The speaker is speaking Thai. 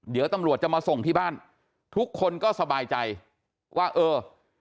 เดี๋ยวตำรวจจะมาส่งที่บ้านทุกคนก็สบายใจว่าเออ